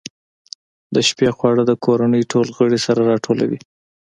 د شپې خواړه د کورنۍ ټول غړي سره راټولوي.